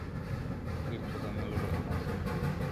ډېري خزانې لرو الماس لرو په غرونو کي,